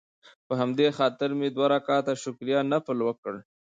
په همدې خاطر مې دوه رکعته شکريه نفل وکړ.